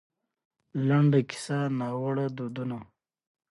لـنـډه کيـسـه :نـاوړه دودونـه